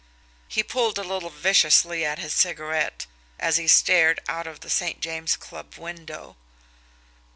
He pulled a little viciously at his cigarette, as he stared out of the St. James Club window.